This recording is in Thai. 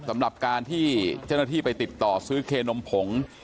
สำหรับการที่เจ้าหน้าที่ไปติดต่อซื้อเคนมผง